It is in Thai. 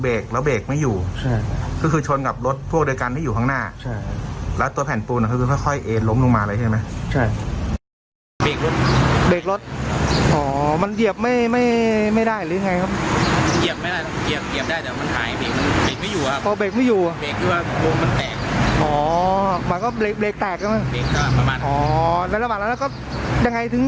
เบรกทางหลังเนี่ยคือเบรกทางหลังเนี่ยคือเบรกทางหลังเนี่ยคือเบรกทางหลังเนี่ยคือเบรกทางหลังเนี่ยคือเบรกทางหลังเนี่ยคือเบรกทางหลังเนี่ยคือเบรกทางหลังเนี่ยคือเบรกทางหลังเนี่ยคือเบรกทางหลังเนี่ยคือเบรกทางหลังเนี่ยคือเบรกทางหลังเนี่ยคือเบรกทางหลังเนี่ยคือ